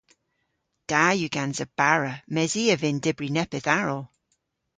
Da yw gansa bara mes i a vynn dybri neppyth aral!